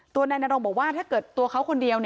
นายนรงบอกว่าถ้าเกิดตัวเขาคนเดียว